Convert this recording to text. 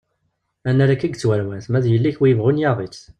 Annar akka i yettwarwat ma d yelli-k wi yebɣun yaɣ-itt!